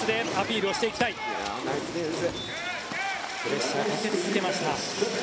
プレッシャーをかけ続けました。